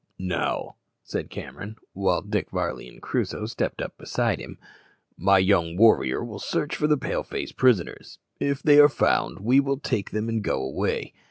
"Now," said Cameron, while Dick Varley and Crusoe stepped up beside him, "my young warrior will search for the Pale face prisoners. If they are found, we will take them and go away.